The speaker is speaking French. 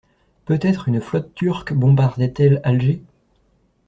Peut-être une flotte turque bombardait-elle Alger?